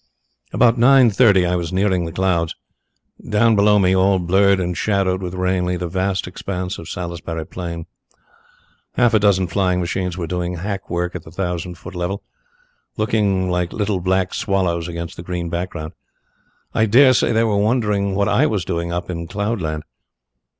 "About nine thirty I was nearing the clouds. Down below me, all blurred and shadowed with rain, lay the vast expanse of Salisbury Plain. Half a dozen flying machines were doing hackwork at the thousand foot level, looking like little black swallows against the green background. I dare say they were wondering what I was doing up in cloud land.